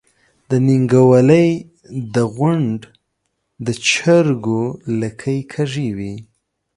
د نينګوَلۍ د غونډ د چرګو لکۍ کږې وي۔